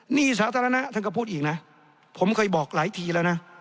หนี้สาธารณะท่านก็พูดอีกนะผมเคยบอกหลายทีแล้วนะ